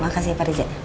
makasih pak riza